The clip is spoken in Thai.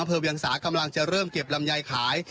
เวียงสากำลังจะเริ่มเก็บลำไยขาย